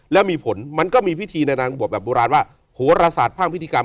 แล้วมีผลมันก็มีพิธีในนางบทแบบโบราณว่าโหรศาสตร์ภาคพิธีกรรม